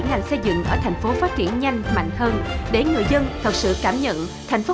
ngành xây dựng ở thành phố phát triển nhanh mạnh hơn để người dân thật sự cảm nhận thành phố